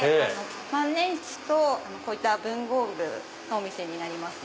万年筆とこういった文房具のお店になります。